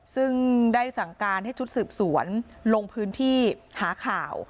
ซึ่งได้สั่งการให้ชุดสืบสวนลงพื้นที่หาข่าว